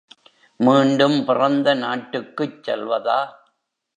மீண்டும் பிறந்த நாட்டுக்குச் செல்வதா?